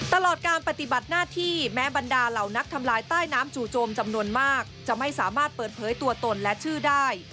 ตลอดการปฏิบัติหน้าที่แม้บรรดาเหล่านักทำลายใต้น้ำจู่โจมจำนวนมากจะไม่สามารถเปิดเผยตัวตนและชื่อได้